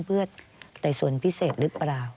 เพื่อไต่สวนพิเศษหรือเปล่า